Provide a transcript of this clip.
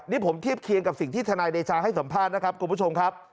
นี่ผมเทียบเคียงกับสิ่งที่ทนายเดชาให้สัมภาษณ์นะครับคุณผู้ชมครับ